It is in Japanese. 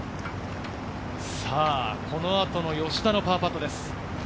この後の吉田のパーパットです。